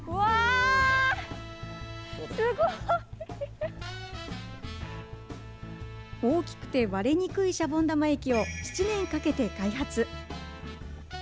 すごい！大きくて割れにくいシャボン玉液を７年かけて開発。